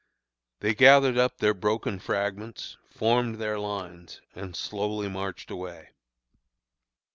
They gathered up their broken fragments, formed their lines, and slowly marched away.